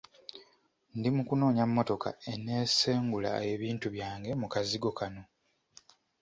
Ndi mu kunoonya mmotoka enneesengula ebintu byange mu kazigo kano.